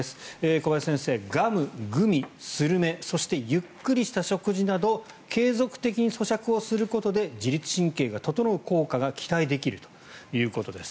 小林先生、ガム、グミ、スルメそしてゆっくりした食事など継続的にそしゃくをすることで自律神経が整う効果が期待できるということです。